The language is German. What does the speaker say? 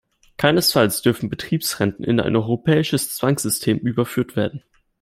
Keinesfalls dürfen Betriebsrenten in ein europäisches Zwangssystem überführt werden.